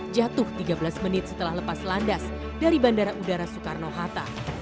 jatuh tiga belas menit setelah lepas landas dari bandara udara soekarno hatta